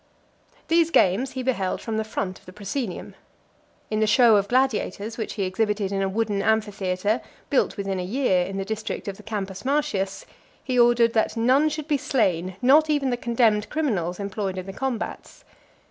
XII. These games he beheld from the front of the proscenium. In the show of gladiators, which he exhibited in a wooden amphitheatre, built within a year in the district of the Campus Martius , he ordered that none should be slain, not even the condemned criminals employed in the combats.